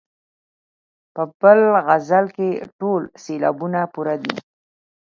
په بل غزل کې ټول سېلابونه پوره دي.